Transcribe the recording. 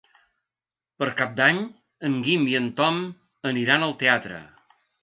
Per Cap d'Any en Guim i en Tom aniran al teatre.